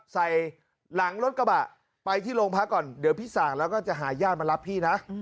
ใส่หลังรถกระบะไปที่โรงพักก่อนเดี๋ยวพี่สั่งแล้วก็จะหาญาติมารับพี่นะ